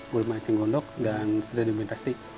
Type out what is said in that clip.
gulma eceng gondok dan sedimentasi